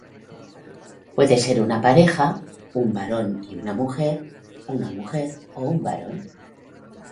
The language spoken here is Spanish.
Puede ser una pareja, un varón y una mujer, una mujer o un varón.